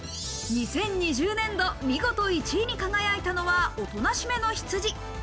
２０２０年度見事、１位に輝いたのは、おとなしめの羊。